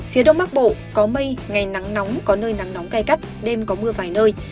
phía đông bắc bộ có mây ngày nắng nóng có nơi nắng nóng gai gắt đêm có mưa vài nơi